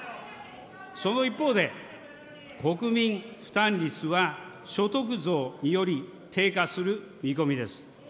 その一方で、国民負担率は所得増により低下する見込みです。